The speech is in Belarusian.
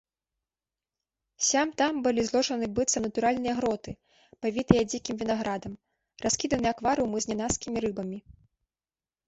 Сям-там былі зложаны быццам натуральныя гроты, павітыя дзікім вінаградам, раскіданы акварыумы з нянаскімі рыбамі.